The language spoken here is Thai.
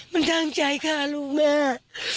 มันตั้งใจฆ่าลูกแม่